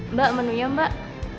mbak menu nya mbak